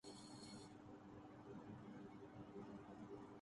پارسا چہروں کی جو اس شوروغل میں بے نقاب ہوئی۔